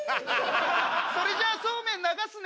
それじゃあそうめん流すね。